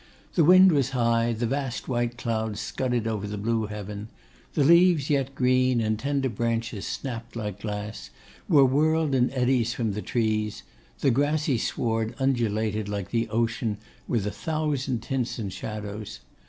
The wind was high; the vast white clouds scudded over the blue heaven; the leaves yet green, and tender branches snapped like glass, were whirled in eddies from the trees; the grassy sward undulated like the ocean with a thousand tints and shadows.